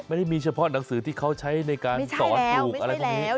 ไม่ได้มีเฉพาะหนังสือที่เขาใช้ในการสอนปลูกอะไรของนี้ไม่ใช่แล้วไม่ใช่แล้ว